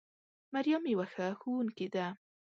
مريم يوه ښه ښوونکې ده